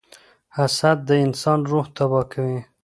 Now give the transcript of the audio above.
• حسد د انسان روح تباه کوي.